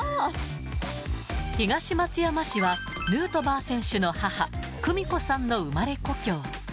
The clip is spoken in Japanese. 東松山市は、ヌートバー選手の母、久美子さんの生まれ故郷。